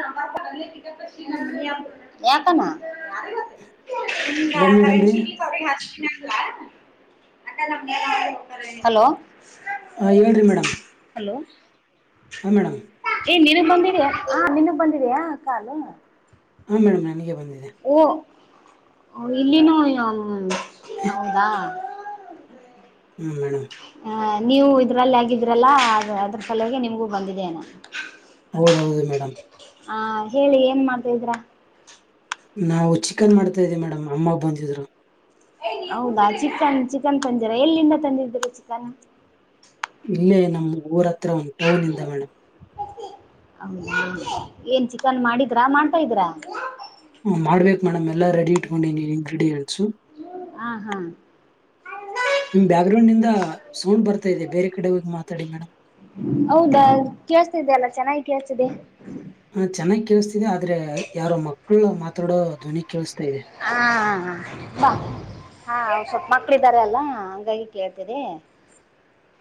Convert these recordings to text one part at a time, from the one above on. ಮ್ಮ ಪ ಕ [unintelligible] ಯತನಾ [unintelligible] ಹಲೋ ಮೇಡಮ್ ರೀ ಲ [unintelligible] ಹಾಂ ಹೇಳಿರಿ ಮೇಡಮ್ ಹಲೋ ಹಾ ಮೆಡಮ್ಮ್ ಏ ನೀನುಗ್ ಬಂದಿದ್ಯಾ ಹ ನಿನಗ್ ಬಂದಿದಯಾ ಕಾಲು ಹಾಂ ಮೇಡಮ್ ನನಗೆ ಬಂದಿದೆನೆ ಓ ಇಲ್ಲಿನೂನು ಹೌದಾ ಹ್ಮ್ ಮೇಡ್ [unintelligible] ಹ ನೀವು ಇದ್ರಲ್ಲಿ ಆಗಿದ್ರಲ್ಲ ಅ ಅದ್ರ ಸಲವಾಗಿ ನಿಮ್ಗೂ ಬಂದಿದ್ದೇನೆ [unintelligible] ಹೌದೌಹೌದ ಮೇಡಮ್ [unintelligible] ಆ ಹೇಳಿ ಏನ್ ಮಾಡ್ತಇದ್ರಾ [unintelligible] ನಾವು ಚಿಕನ್ ಮಾಡ್ತಾ ಇದ್ದೀವಿ ಮೇಡಮ್ ಅಮ್ಮ ಬಂದಿದ್ರು [unintelligible] ಹೌದಾ ಚಿಕನ್ ಚಿಕನ್ ತಂದಿರ ಎಲ್ಲಿಂದ ತಂದಿದ್ದೀರ ಚಿಕನ್ [unintelligible] ಇಲ್ಲೇ ನಮ್ಮ್ ಊರ್ ಹತ್ರ ಒಂದ್ ಟೌನ್ ಇಂದ ಮೇಡಮ್ [unintelligible] ಹೌದ ಏನ್ ಚಿಕನ್ ಮಾಡಿದ್ರಾ ಮಾಡ್ತಾ ಇದೀರಾ [unintelligible] ಹ್ಮ ಮಾಡ್ಬೇಕು ಮೇಡಮ್ ಎಲ್ಲಾ ರೆಡಿ ಇಟ್ಕೊಂಡನಿ ಇಂಗ್ರೀಡಿಯಂಟ್ಸು [unintelligible] ಹಾ ಹಾ ನಿಮ್ ಬ್ಯಾಗ ಗ್ರೌಂಡ್ಂದ ಸೌಂಡ್ ಬರ್ತಾ ಇದೆ ಬೇರೆ ಕಡೆ ಹೋಗಿ ಮಾತಾಡಿ ಮೇಡಮ್ ಹೌದಾ ಕೇಳಿಸ್ತಿದೆ ಅಲ್ಲ ಚೆನ್ನಾಗಿ ಕೇಳಿಸ್ತಿದೆ. ನ ಚೆನ್ನಾಗಿ ಕೇಳಿಸ್ತಿದೆ ಆದ್ರೆ ಯಾರೋ ಮಕ್ಕಳು ಮಾತಾಡೋ ಧ್ವನಿ ಕೇಳಿಸ್ತಾ ಇದೆ. ಹ ಹಾ ಸ್ವಲ್ಪ ಮಕ್ಳ ಇದಾರೆ ಅಲ್ಲಾ ಹಂಗಾಗಿ ಕೇಳ್ತೀದೆ.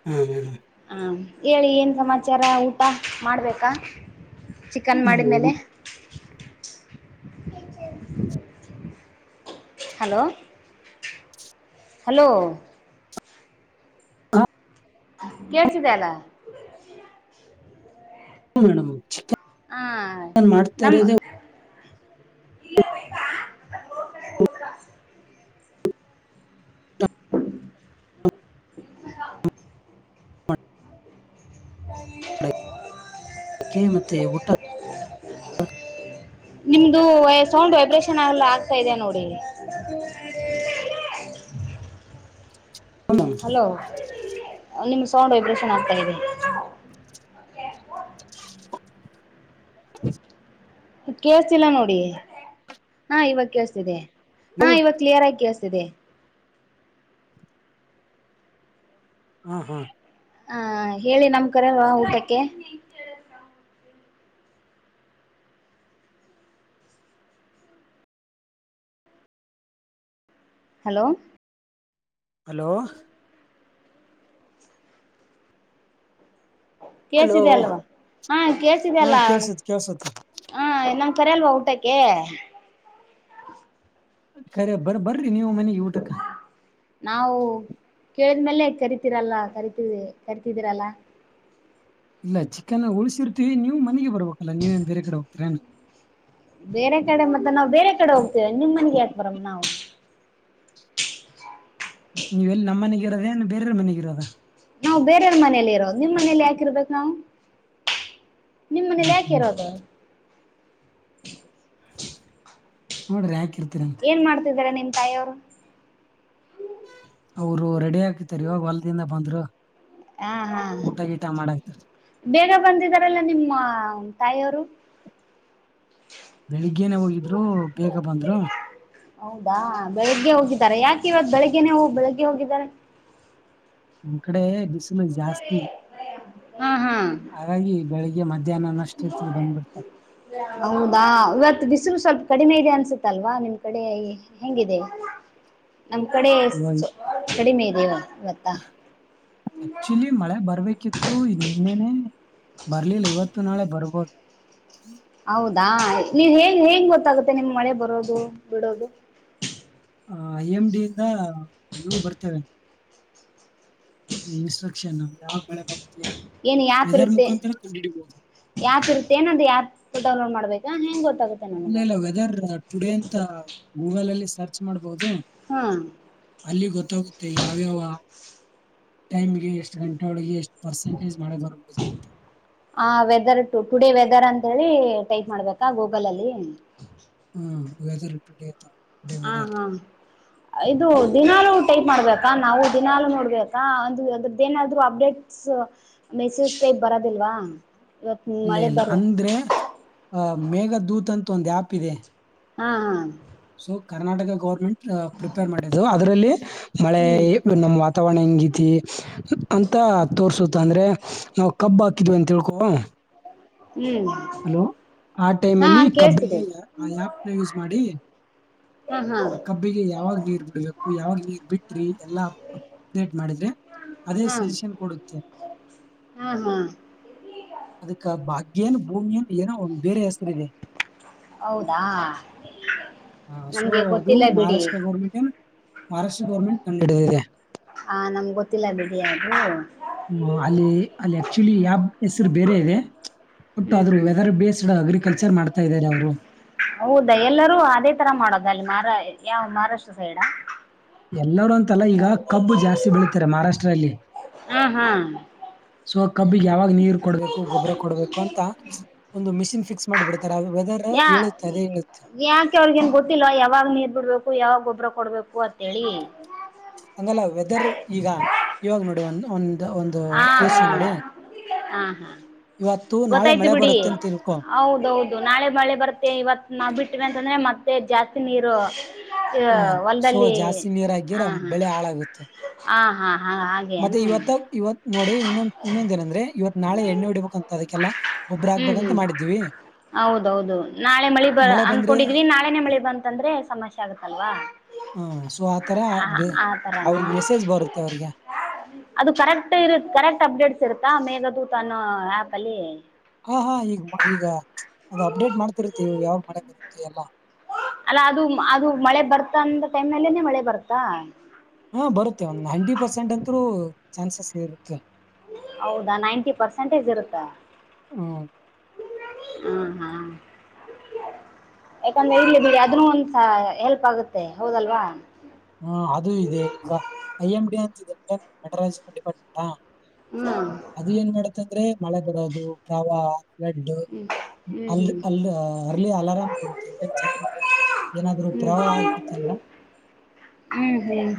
ಹಾ ಹ ಹಾಂ ಹೇಳಿ ಏನ ಸಮಾಚಾರ ಊಟ ಮಾಡಬೇಕಾ ಚಿಕನ್ ಮಾಡಿದ ಮೇಲೆ. ಹಲೋ ಹಲೋ ಹ್ಞೂ ಕೇಳಿಸ್ತಿದೆ ಅಲ್ಲ. ಹೌದ ರೀ ಅಣಮ್ ಚಿಕನ್ ಹಾ ಮಾಡ್ತಾ ನಮ್ಮ ಇರೋದೇ ಹ ಊಟಕ್ಕೆ ಮತ್ತೆ ಊಟ [unintelligible] ನಿಮ್ದು ವಯ್ ಸೌಂಡ್ ವೈಬ್ರೇಷನ್ ಎಲ್ಲ ಆಗ್ತಾ ಇದೆ ನೋಡಿ ಹ [inaudible] ಹಲೋ ನಿಮ್ಮ ಸೌಂಡ್ ವೈಬ್ರೇಷನ್ ಆಗ್ತಾ ಇದೆ. ಹ [inaudible] ಕೇಳುಸ್ತಿಲ್ಲ ನೋಡಿ ಹಾ ಇವಾಗ ಕೇಳ್ಸ್ತಿದೆ ಹಾ ಇವಾಗ ಕ್ಲಿಯರ್ ಆಗಿ ಕೇಳಿಸ್ತಿದೆ. ಹಾ ಹಾ ಹ ಹೇಳಿ ನಮ್ ಕರಲ್ವಾ ಊಟಕ್ಕೆ ಹಲೋ ಹಲೋ ಹಲೋ ಕೇಳಿಸ್ತಿದೆ ಅಲ್ವಾ ಹಾ ಕೇಳಿಸ್ತಿದೆ ಹಾ ಅಲ್ಲ ಕೇಳ್ಸತ್ ಕೇಳ್ಸತ್ ಹಾ ನಮ್ ಕರಿ ಅಲ್ವಾ ಊಟಕ್ಕೆ ಕರೆ ಬರ ಬರ್ರಿ ನೀವು ಮನೆಗ್ ಊಟಕ್ಕ ನಾವು ಕೇಳಿದ್ಮೇಲೆ ಕರಿತೀರಲ್ಲ ಕರಿತಿ ಕರಿತಿದ್ದೀರಲ್ಲ. ಇಲ್ಲ ಚಿಕನ್ ಉಳಸಿರ್ತೀವಿ ನೀವು ಮನೆಗೆ ಬರ್ಬಬೇಕಲ್ಲ ನೀವೇನ್ ಬೇರೆ ಕಡೆ ಹೋಗ್ತೀರ. ಬೇರೆ ಕಡೆ ಮತ್ತೆ ನಾವು ಬೇರೆ ಕಡೆ ಹೋಗ್ತೇವೆ ನಿಮ್ ಮನೆಗ್ ಯಾಕ್ ಬರನ್ ನಾವು ನೀವು ಎಲ್ಲಿ ನಮ್ಮ ಮನೆಗ ಇರೋದ ಏನ ಬೇರೆಯವ್ರ ಮನೆಗ ಇರೋದ ನಾವು ಬೇರೆಯವ್ರ ಮನೇಲಿ ಇರೋದ ನಿಮ್ ಮನೇಲಿ ಯಾಕಿರ್ಬೇಕು ನಾವು ನಿಮ್ಮ ಮನೇಲಿ ಹ್ಮ್ ಯಾಕೆ ಹ್ಮ್ ಇರೋದು ಸುಮ್ಮನೆ ಯಾಕ್ ಇರತಿರಿ ಏನ್ ಮಾಡ್ತಿದ್ದಿರ ನಿಮ್ ತಾಯಿಯವರು ಅವರು ರೆಡಿ ಆಕಿತರ್ ಇವಾಗ ಹೊಲದಿಂದ ಬಂದ್ರು ಹಾ ಹಾ ಊಟ ಗೀಟ ಮಾಡಾಕ್ತಾರ ಬೇಗ ಬಂದಿದಾರಲ್ಲ ನಿಮ್ಮ ತಾಯಿಯವರು ಬೆಳಿಗ್ಗೆನೆ ಹೋಗಿದ್ರು ಬೇಗ ಬಂದ್ರು. ಹೌದಾ ಬೆಳಿಗ್ಗೆ ಹೋಗಿದರ ಯಾಕ್ ಇವತ್ ಬೆಳಿಗ್ಗೆನೆ ಹೋಗ್ ಬೆಳಿಗ್ಗೆ ಹೋಗಿದರ. ನಮ್ಮ್ ಕಡೆ ದಿಸ್ ಹಾ ಹಾ. ಹಾಗಾಗಿ ಬೆಳಿಗ್ಗೆ ಮಧ್ಯಾನ ಅನ್ನ ಅಸ್ಟೊತ್ತಿಗ್ ಬಂದ್ಬಿಡ್ತಾರ. ಹೌದಾ ಇವತ್ ಬಿಸುಲ್ ಸ್ವಲ್ಪ ಕಡಿಮೆ ಇದೆ ಅನ್ಸುತ್ತಲ್ವಾ ನಿಮ್ ಕಡೆ. ಹೆಂಗಿದೆ ನಮ್ ಕಡೆ ಇವಾಗ ಕಡಿಮೆ ಇದೆ ಇವತ್ತ. [inaudible] ಆಕ್ಚುಲಿ ಮಳೆ ಬರ್ಬೇಕಿತ್ತು ನಿನ್ನೆನೆ ಬರ್ಲಿಲ್ಲ ಇವತ್ತು ನಾಳೆ ಬರ್ಬೋದು. ಹೌದಾ ನಿವ್ ಹೆಂಗ್ ಹೆಂಗ್ ಗೊತ್ತಾಗುತ್ತೆ ನಿಮ್ ಮಳೆ ಬರೋದು ಬಿಡೋದು. ಹಾ ಐ ಎಮ್ ಡಿ ಯಿಂದ ನೀವು ಬರ್ತೇವೆ. ಇನ್ಸ್ಟ್ರಕ್ಷನ್ ಯಾವಾಗ ಬೆಳೆ ಬರುತ್ತೆ ಇದರ್ ಮುಖಾಂತರ ಕಂಡಿಡಿಬವ್ದು. ಯಾತ್ ರುಪಾಯ್ ಅನ್ನೋದ್ ಯಾತ್ ಡೌನ್ಲೋಡ್ ಮಾಡ್ಬೇಕಾ ಹೆಂಗ್ ಗೊತ್ತಾಗುತ್. ಇಲ್ಲ ಇಲ್ಲ ವೆದರ್ ಟುಡೇ ಅಂತ ಗೂಗಲ್ ಅಲ್ಲಿ ಸರ್ಚ್ ಮಾಡ್ಬವ್ದು. ಹಾ. ಅಲ್ಲಿ ಗೊತ್ತಾಗುತ್ತೆ ಯಾವ್ಯಾವ ಟೈಮ್ಗೆ ಎಷ್ಟು ಗಂಟೆ ಒಳಗೆ ಎಷ್ಟ್. ಪರ್ಸೆಟೇಜ್ ಮಾಡದೋರ್ ಹಾ ವೆದರ್ ಟು ಟುಡೇ ವೆದರ್ ಅಂತೇಳಿ ಟೈಪ್ ಮಾಡ್ಬೇಕಾ ಗೂಗಲ್ ಅಲ್ಲಿ. ಹ್ಮ ವೆದರ್ ಟುಡೇ. ಟುಡೇ ಹಾ ವೆದರ್ ಹಾ. ಇದು ದಿನಲುೂ ಟೈಪ್ ಮಾಡ್ಬೇಕಾ ನಾವು ದಿನಲುೂ ನೋಡ್ಬೇಕಾ ಅದು ಅದ್ರದ್ದೇನಾದ್ರು ಅಪ್ಡೇಟ್. ಸ ಮೆಸೇಜ್ ಪೈಪ್ ಬರೋದಿಲ್ವಾ. ಇವತ್ತು ಇಲ್ಲ ಮಳೆ ಇಲ್ಲ ಬರು ಅಂದ್ರೆ ಆ ಮೇಘ ದೂತ್ ಅಂತ ಒಂದ್ ಆಪ್ ಇದೆ. ಹಾ ಹಾ. ಸೊ ಕರ್ನಾಟಕ ಗವರ್ಮೆಂಟ್ ಪ್ರಿಪೇರ್ ಮಾಡಿದ್ದು ಅದ್ರಲ್ಲಿ ಮಳೆ ಹ್ಮ್ ನಮ್ಮ್. ತಗೊಂಣಂಗಿತಿ ಅಂತ ತೋರ್ಸುತ್ತ ಅಂದ್ರೆ ನಾವು ಕಬ್ಬ ಹಾಕಿದ್ವಿ ಅಂತ್ ತಿಳ್ಕೊ. ಹ್ಮ್. ಹಲೋ ಆ ಹಾ ಟೈಮ್ಲ್ಲಿ ಕಬ್ಬಿಗೆ ಕೇಳ್ಸ್ತಿದೆ ಆ ಆಪ್ನ ಯೂಸ್ ಮಾಡಿ. ಹಾ ಹಾ. ಆ ಕಬ್ಬಿಗೆ ಯಾವಾಗ್ ನೀರ್ ಬಿಡ್ಬೇಕು ಯಾವಾಗ್ ನೀರ್ ಬಿಟ್ರಿ ಎಲ್ಲಾ. ಅಪ್ಡೇಟ್ ಮಾಡಿದ್ರೆ ಅದೇ ಹಾ ಸಜೆಷನ್ ಕೊಡುತ್ತೆ. ಹಾ ಹಾ. ಅದಕ್ಕ ಭಾಗ್ಯನ್ ಭೂಮ್ಯನ್ ಏನೋ ಒನ್ ಬೇರೆ ಹೆಸ್ರ್ ಇದೆ. ಹೌದಾ ಹಾ ಸೊ ನಮ್ಗೆ ಅದು ಗೊತ್ತಿಲ್ಲ ಬಿಡಿ ಮಹಾರಾಷ್ಟ್ರ ಗೌರ್ಮೆಂಟ್ ಏನ್. ಮಹಾರಾಷ್ಟ್ರ ಗೌರ್ಮೆಂಟ್ ಕಂಡಿಡಿದಿದೆ. ಹ ನಮ್ಗ ಗೊತ್ತಿಲ್ಲ ಬಿಡ್ರಿ ಅದು. ಹ್ಮ ಅಲ್ಲಿ ಅಲ್ಲಿ ಆಕ್ಚುಲಿ ಆಪ್ ಹೆಸ್ರು ಬೇರೆ ಇದೆ. ಒಟ್ಟು ಹ್ಮ್ ಅದ್ರು ಹ್ಮ್ ವೆದರ್ ಬೇಸ್ಡ್ ಅಗ್ರಿಕಲ್ಚರ್ ಮಾಡ್ತಾ ಇದಾರೆ ಅವ್ರು. ಹೌದಾ ಎಲ್ಲರೂ ಅದೇ ತರ ಮಾಡೋದ ಅಲ್ಲಿ ಮರಾ ಯಾವ್ ಮಹಾರಾಷ್ಟ್ರ ಸೈಡ. ಎಲ್ಲರೂ ಅಂತಲ್ಲ ಈಗ ಕಬ್ಬು ಜಾಸ್ತಿ ಬೆಳೀತಾರೆ ಮಹಾರಾಷ್ಟ್ರಲ್ಲಿ. ಹಾ ಹಾ ಸೊ ಕಬ್ಬಿಗೆ ಯಾವಾಗ ನೀರ್ ಕೊಡ್ಬೇಕು ಗೊಬ್ರಾ ಕೊಡ್ಬೇಕು ಅಂತ ಒಂದು ಮಿಷಿನ್ ಫಿಕ್ಸ್ ಮಾಡಿಬಿಡತ್. ತರ ವೀಥಿರ್ ಯಾ ಹೇಳುತ್ತೆ ಅದೇ ಹೇಳುತ್ತೆ. ಯಾಕೆ ಅವ್ರಿಗೆನ್ ಗೊತ್ತಿಲ್ಲ ಯಾವಾಗ್ ನೀರ್ ಬಿಡ್ಬೇಕು ಯಾವಾಗ್ ಗೊಬ್ಬ್ರ ಕೊಡ್ಬೇಕು ಅಂತೇಳಿ. ಹಂಗಲ್ಲ ವೆದರ್ ಈಗ ಇವಾಗ ನೋಡಿ ಒಂದ್ ಒನ್. ಒಂದ್ ಒಂದು ಹಾ ಹಾ ಯೋಚನೆ ಮಾಡಿ ಹಾ ಹಾ ಇವತ್ತು ನಾಳೆ ಗೊತ್ತಾಯ್ತು ಮಳೆ ಬಿಡಿ ಬರತ್ತೆ ಅಂತ್ತಿಳ್ಕೊ. ಹೌದೌದು ನಾಳೆ ಮಳೆ ಬರ್ತ್ತೇ ಇವತ್ ನ ಬಿಟ್ಟ್ರ ಅಂತಂದ್ರೆ ಮತ್ತೆ ಜಾಸ್ತಿ ನೀರು ಹ ಸೊ ಹೊಲದಲ್ಲಿ ಜಾಸ್ತಿ ನೀರಾಗಿರ ಹ ಬೆಳೆ ಹಾಳಾಗುತ್ತೆ ಹಾ ಹ ಹಾ ಹ ಹಾಗ ಮತ್ತೆ ಇವತ್ತ ಇವತ್ ನೋಡಿ ಇನ್ನೊಂದ ಇನ್ನೊಂದಏನಂದ್ರೆ ಇವತ್ ನಾಳೆ ಎಣ್ಣೆ ಹೊಡಿಬೇಕಕ್ಂತ ಅದಕ್ಕೆಲ್ಲ ಗೊಬ್ಬರ ಹ್ಮ್ ಹಾಕ್ಬೇಕಂತ ಹ್ಮ್ ಮಾಡಿದ್ವಿ ಹೌದೌದು ನಾಳೆ ಮಳಿ ಬ ಮಳೆ ಬಂದ್ರೆ ಅಂದಕೊಂಡಿದ್ರಿ ನಾಳೆ ಮನೆ ಮಳಿ ಬಂತಂದ್ರೆ ಸಮಸ್ಯೆ ಆಗುತ್ತಲ್ವಾ ಹ ಸೊ ಆತರ ತರನಾ ಅವ್ರಗ್ ಮೆಸೇಜ್ ಬರುತ್ತೆ ಅವ್ರಿಗೆ ಅದು ಕರೆಕ್ಟ್ ಇರು ಕರೆಕ್ಟ್ ಅಪ್ಡೇಟ್ಸ್ ಇರುತ್ತಾ ಮೇಘದೂತ ಅನ್ನ ಆ್ಯಪ ಅಲ್ಲಿ ಹಾ ಹಾ ಈಗ ಈಗ ಅದು ಅಪ್ಡೇಟ್ ಮಾಡ್ತಿರುತ್ತ ಯಾವಾಗ ಮಳೆ ಬರುತ್ತೆ ಎಲ್ಲ ಅಲ್ಲ ಅದು ಅದು ಮಳೆ ಬರ್ತ ಅಂತ ಟೈಮ್ನಲ್ಲೇನೆ ಮಳೆ ಬರ್ತಾ ಹಾ ಬರುತ್ತೆ ಒಂದ್ ಹಂಡ್ರಿ ಪರ್ಸೆಂಟ್ ಅಂತೂ ಚಾನ್ಸಸ್ ಇ ಹೌದಾ ನೈಂಟಿ ಪರ್ಸೆಂಟೇಜ್ ಇರುತ್ತಾ ಹ್ಮ್ ಹ್ಮ್ ಹ್ಮ್ ಯಾಕಂದ್ರೆ ಇಲ್ಲಿ ಬಿಡಿ ಅದ್ರ ಒಂದಸ ಹೆಲ್ಪ್ ಆಗುತ್ತೆ ಹೌದಲ್ವಾ ಹಾ ಅದುೂ ಇದೆ ಈಗ ಐ ಎಂ ಡಿ ಅಂತ ಇದೆ ಅಟ ಮೆಟರಲ್ ಡಿಪಾರ್ಟ್ಮೆಂಟ್ ಹ್ಮ ಅದು ಏನ್ ಮಾಡತ್ತ ಅಂದ್ರೆ ಮಳೆ ಬರೋದು ಪ್ರವಾಹ ಫ್ಲಡ್ ಹ್ಮ್ ಅಲ್ಲಿ ಹ್ಮ್ ಅಲ್ಲಿ ಅರ್ಲಿ ಅಲಾರಾಮ್ ಕೊಡುತ್ತೆ ಅಂದ್ರೆ ಜನರಿಗೆ ಏನಾದ್ರು ಹ್ಮ್ ಪ್ರವಾಹ ಆಗ್ತಿತ್ತ ಅಂದ್ರ ಹ್ಮ್ ಹ್ಮ್ ಹ್ಮ್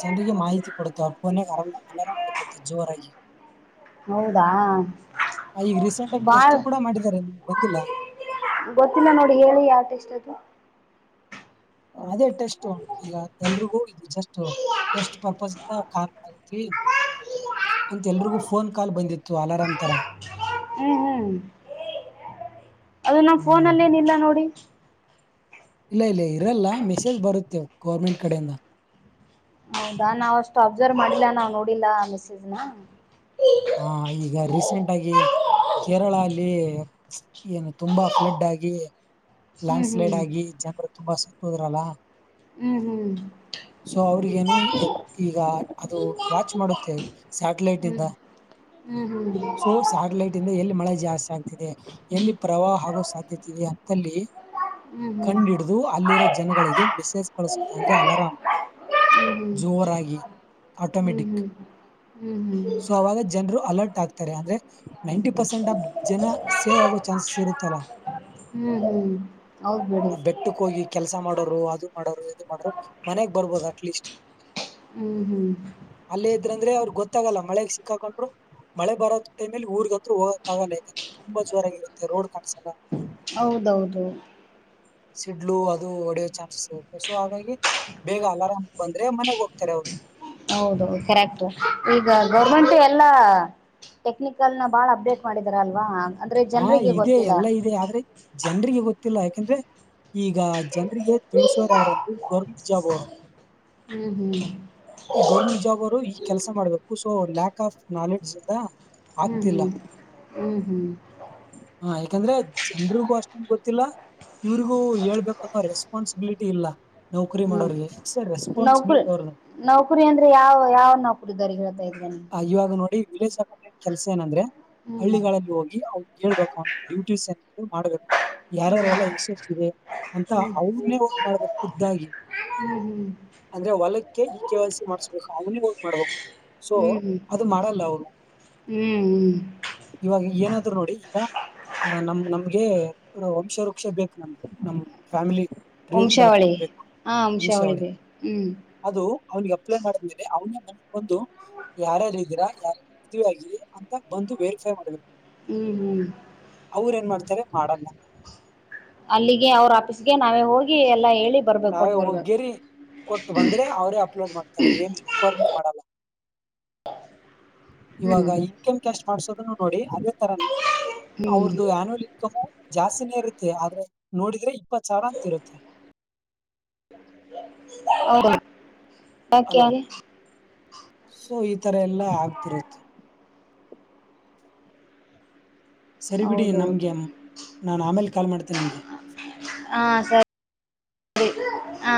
ಜನರಿಗೆ ಮಾಹಿತಿ ಕೊಡ್ತೆ ಅವ್ರ ಫೋನ ಆರಾಮ್ ಅಲಾರಾಮ್ ಕೊಡ್ಕೆ ಜೋರಾಗಿ ಹೌದಾ ಈಗ ರೀಸೆಂಟ್ ಆಗಿ ಟೆಸ್ಟ್ ಬಾಳ್ ಕೂಡ ಮಾಡಿದ್ದಾರೆ ನಿಮ ಬಂದಿಲ್ಲ ಗೊತ್ತಿಲ್ಲ ನೋಡಿ ಹೇಳಿ ಯಾವಟ ಎಷ್ಟ ಅದು ಅದೇ ಟೆಸ್ಟ್ ಈಗ ಎಲ್ರಿಗೂ ಇ ಜಸ್ಟ್ ಟೆಸ್ಟ್ ಪರ್ಪಸ್ ಅಂತ ಎಲ್ರಿಗೂ ಫೋನ್ ಕಾಲ್ ಬಂದಿತ್ತು ಅಲಾರಾಮಂ ತರಾ ಹ್ಮ್ ಹ್ಮ್ ಅದು ನಮ್ಮ ಫೋನ ಹ್ಮ್ ಅಲ್ಲಿ ಏನಿಲ್ಲ ನೋಡಿ ಇಲ್ಲ ಇಲ್ಲ ಇರಲ್ಲ ಮೆಸೇಜ್ ಬರುತ್ತೇವು ಗೌರ್ಮೆಂಟ್ ಕಡೆಯಿಂದ ಹೌದಾ ನಾವಷ್ಟು ಅಬ್ಸರ್ವ್ ಮಾಡಿಲ್ಲ ನಾವ್ ನೋಡಿಲ್ಲ ಮೆಸೇಜನ ಹ ಈಗ ರೀಸೆಂಟ್ ಆಗಿ ಕೇರಳ ಅಲ್ಲಿ ಏನು ತುಂಬಾ ಫ್ಲಡ್ ಆಗಿ ಲ್ಯಾಂಡ್ ಹ್ಮ್ ಸ್ಲೈಡ್ ಹ್ಮ್ ಆಗಿ ಜನರು ತುಂಬಾ ಸುತ್ತುದ್ರಲ್ಲ ಹ್ಮ್ ಹ್ಮ್ ಸೊ ಅವ್ರಿಗ ಏನು ಈಗ ಅದು ವಾಚ್ ಮಾಡುತ್ತೆ ಸ್ಯಾಟಲೈಟ್ ಇಂದ ಹ್ಮ್ ಹ್ಮ್ ಸೊ ಹ್ಮ್ ಸ್ಯಾಟಲೈಟ್ ಇಂದ ಎಲ್ಲಿ ಮಳೆ ಜಾಸ್ತಿ ಆಗ್ತಿದೆ ಎಲ್ಲಿ ಪ್ರವಾಹ ಆಗೋ ಸಾಧ್ಯತೆ ಇದೆ ಅಂತಲ್ಲಿ ಹ್ಮ್ ಹ್ಮ್ ಕಂಡಿಡ ಅದು ಅಲ್ಲಿರೋ ಹ್ಮ್ ಜನಗಳಿಗೆ ಮೆಸೇಜ್ ಹ್ಮ್ ಕಳಸುತ್ತೆ ಅಂದ್ರೆ ಅಲಾರಂ ಹ್ಮ್ ಜೋರಾಗಿ ಆಟೋಮೆಟಿಕ್ ಹ್ಮ್ ಹ್ಮ್ ಹ್ಮ್ ಸೊ ಅವಾಗ ಜನರು ಅಲರ್ಟ್ ಆಗ್ತಾರೆ ಅಂದ್ರೆ ನೈಂಟಿ ಪರ್ಸೆಂಟ್ ಆಫ್ ಜನ ಸೇವ್ ಆಗೋ ಚಾನ್ಸಸ್ ಇರುತ್ತಲ್ಲಾ ಹ್ಮ ಹೌದು ಆ ಬೆಟ್ಟಕ್ ಹೋಗಿ ಕೆಲಸ ಮಾಡೋರು ಅದು ಮಾಡೋರು ಇದು ಮಾಡೋರು ಮನೆಗ್ ಬರ್ಬೋದು ಅಟ್ಲೀಸ್ಟ್ ಹ್ಮ್ ಹ್ಮ್ ಅಲ್ಲೇ ಇದ್ರಂದ್ರೆ ಅವ್ರಿಗೆ ಗೊತ್ತಾಗಲ್ಲ ಮಳೆಗ್ ಸಿಕ್ಕಾಕೊಂಡ್ರು ಮಳೆ ಬರೋ ಟೈಮಲ್ಲಿ ಊರ್ಗ ಹತ್ರ ಹೋಗಕಕ್ಕಾಗಲ್ಲ ಯಾಕಂದ್ರೆ ತುಂಬ ಜೋರಾಗಿರುತ್ತೆ ರೋಡ್ ಕಾಣಿಸಸಲ್ಲ ಹೌದೌದು ಸಿಡ್ಲು ಅದು ಹೊಡೆಯೋ ಚಾನ್ಸಸ್ ಇರುತ್ತೆ ಸೊ ಹಾಗಾಗಿ ಬೇಗ ಅಲಾರಾಮ್ ಬಂದ್ರೆ ಮನೆಗ್ ಹೋಗ್ತಾರೆ ಅವ್ರ ಹೌದ ಕರೆಕ್ಟ್ ಈಗ ಗೌರ್ಮೆಂಟ್ ಎಲ್ಲಾ ಟೆಕ್ನಿಕಲ್ ನ ಬಾಳ ಅಪ್ಡೇಟ್ ಮಾಡಿದಾರ ಅಲ್ವಾ ಅಂದ್ರೆ ಹಾ ಜನರಿಗೆ ಇದೆ ಗೊತ್ತಿಲ್ಲ ಎಲ್ಲಾ ಇದೆ ಆದ್ರೆ ಜನ್ರಿಗೆ ಗೊತ್ತಿಲ್ಲ ಯಾಕಂದ್ರೆ ಈಗ ಜನ್ರಿಗೆ ತಿಳಸೋರೆ ಅವರುಂದ್ರ ಗೌರ್ಮೆಂಟ್ ಜಾಬ್ ಅವರು ಹ್ಮ್ ಹ್ಮ್ ಈ ಗೌರ್ಮೆಂಟ್ ಜಾಬ್ ಅವರು ಈ ಕೆಲಸ ಮಾಡ್ಬೇಕು ಸೊ ಲ್ಯಾಕ್ ಆಫ್ ನಾಲೆಡ್ಜ್ ಇಂದ ಹ್ಮ್ ಆಗ್ತಿಲ್ಲ ಹ್ಮ್ ಹ್ಮ್ ಹ್ಮ್ ಹಾ ಯಾಕಂದ್ರೆ ಜನ್ರಿಗೂ ಅಷ್ಟೊಂದ ಗೊತ್ತಿಲ್ಲ ಇವ್ರಿಗೂ ಹೇಳ್ಬೇಕುನ್ನೋ ರೆಸ್ಪಾನ್ಸಿಬಿಲಿಟಿ ಇಲ್ಲ ನೌಕರಿ ಮಾಡೋ್ರರಿಗೆಸ್ ರೆಸ್ಪಾನ್ಸಿಬಲಿಿ ನೌಕರಿ ಅವ್ರದ ನೌಕರಿ ಅಂದ್ರೆ ಯಾವ ಯಾವ ನೌಕರಿ ದಾರಿ ಹೇಳ್ತಾ ಇದ್ದೇನೆ ಇವಾಗ ನೋಡಿ ವಿಲೇಜ್ ಆಕ ಕೆಲಸ ಏನಂದ್ರೆ ಹ್ಮ್ ಹಳ್ಳಿಗಳಲ್ಲಿ ಹೋಗಿ ಹೇಳ್ಬೇಕು ಅವ್ನು ಡ್ಯೂಟೀಸ್ ಎ ಮಾಡ್ಬೇಕು ಯಾರ್ಯಾರಲ್ಲ ಯಶಸ್ಸಿದೆ ಅಂತ ಅವ್ರನ್ನೇ ಹೋಗದ್ ಮಾಡಡ್ಬೇಕ ಖುದ್ದಾಗಿ ಹ್ಮ್ ಹ್ಮ್ ಅಂದ್ರೆ ಹೊಲಕ್ಕೆ ಈ ಕೆ ವೈ ಸಿ ಮಾಡ್ಸ್ಬೇಕು ಅವನೇ ಹೋಗ್ ಮಾಡ್ಬೇಕು ಅದು ಮಾಡಲ್ಲ ಅವರು ಹ್ಮ್ ಇವಾಗ ಏನಾದ್ರು ನೋಡಿ ಈಗ ಆ ನಮ್ ನಮ್ಗೆ ವಂಶ ವೃಕ್ಷ ಬೇಕು ನಮ್ಗೆ ನಮ್ ಫ್ಯಾಮಿಲಿ ಬ್ರ ವಂಶಾವಳಿ ಡಾಕ್ಯುಮೆಂಟ್ ಬೇಕು ಹಾ ವಂಶಾವಳಿ ಬಿ ಹ್ಮ್ ಅದು ಅವನಿಗೆ ಅಪ್ಲೈ ಮಾಡಿದ್ಮೇಲೆ ಅವನ ಮ ಒಂದು ಯಾರಾರ ಇದೀರಾ ಯಾರ ಮದ್ ಆಗಿರಿ ಅಂತ ಬಂದು ವೇರಿಫೈ ಮಾಡ್ಬೇಕು ಹ್ಮ್ ಹ್ಮ್ ಅವ್ರ ಏನ್ ಮಾಡ್ತಾರೆ ಮಾಡಲ್ಲ ಅಲ್ಲಿಗೆ ಅವ್ರ ಆಫೀಸ್ಗೆ ನಾವೇ ಹೋಗಿ ಎಲ್ಲಾ ಹೇಳಿ ಬರ್ಬೇಕು ನಾವೇ ಕೊಟ್ಟು ಬರ್ಬೇಕು ಹೋಗಗ್ಯರಿ ಕೊಟ್ಟು ಬಂದ್ರೆ ಅವ್ರೇ ಅಪ್ಲೋಡ್ ಮಾಡ್ತಾರೆ ಏನ್ ಕರ್ಮಿ ಮಾಡಲ್ಲ ಇವಾಗ ಹ್ಮ್ ಮ್ ಕ್ಯಾಶ್ ಮಾಡ್ಸೋದನ್ನು ನೋಡಿ ಅದೇ ತರನೇ ಹ್ಮ್ ಅವ್ರ್ದ ಆಲ್ ಇನ್ಕಮು ಜಾಸ್ತಿನೇ ಇರುತ್ತೆ ಆದ್ರೆ ನೋಡಿದ್ರೆ ಇಪ್ಪತ್ ಸಾವಿರ ಅಂತ ಇರುತ್ತೆ ಹೌದು ಯಾಕೆ ಅಲೋ ಸೊ ಈ ತರ ಎಲ್ಲಾ ಆಗ್ತಿರುತ್ತೆ ಸರಿ ಬಿಡಿ ಹೌದೌದು ನಮ್ಗೆ ನಾನ್ ಆಮೇಲೆ ಕಾಲ್ ಮಾಡ್ತೇನೆ ನಿಮ್ಗೆ ಹಾ ಸರಿ ಹ